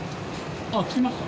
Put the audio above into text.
あっ着きました？